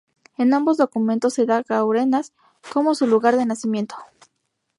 En ambos documentos se da Guarenas como su lugar de nacimiento.